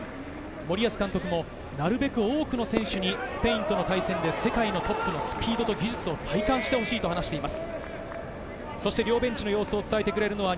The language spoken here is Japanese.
森保監督もなるべく多くの選手にスペインとの対戦で世界のトップのスピードと技術を体感してほしいと話しています。